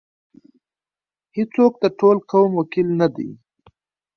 هیڅوک د ټول قوم وکیل نه دی.